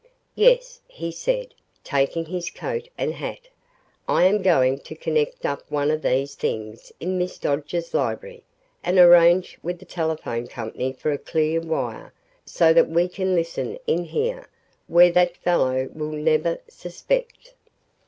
"Yes," he said, taking his coat and hat. "I am going to connect up one of these things in Miss Dodge's library and arrange with the telephone company for a clear wire so that we can listen in here, where that fellow will never suspect."